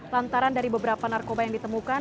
lantaran dari beberapa narkoba yang ditemukan